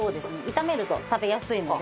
炒めると食べやすいので。